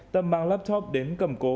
tâm mang laptop đến cầm cố